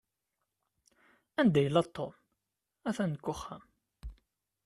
Anda yella Tom? At-an deg uxxam.